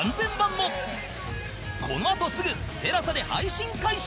このあとすぐ ＴＥＬＡＳＡ で配信開始！